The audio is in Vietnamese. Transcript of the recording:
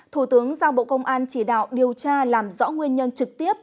thủ tướng giao bộ công an chỉ đạo điều tra làm rõ nguyên nhân trực tiếp